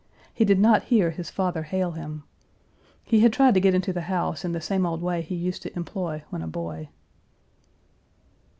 He did not hear his father hail him. He had tried to get into the house in the same old way he used to employ when a boy.